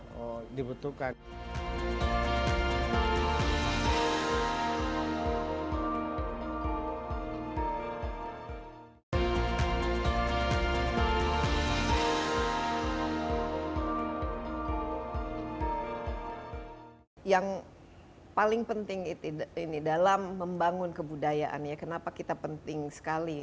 juga dibutuhkan yang paling penting itu ini dalam membangun kebudayaannya kenapa kita penting sekali